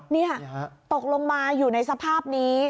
นี่ค่ะตกลงมาอยู่ในสภาพนี้